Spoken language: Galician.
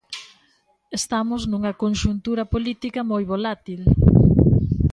Estamos nunha conxuntura política moi volátil.